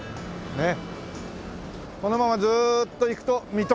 ねえ。